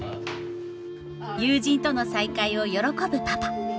友人との再会を喜ぶパパ。